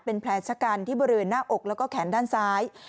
เป็นแผลชะกันที่บริเวณหน้าอกแล้วก็แขนด้านซ้าย